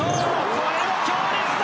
これも強烈だ！